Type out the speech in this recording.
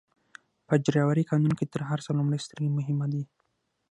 په ډرایورۍ قانون کي تر هر څه لومړئ سترګي مهمه دي.